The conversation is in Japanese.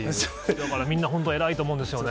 だから、みんな本当、偉いと思うんですよね。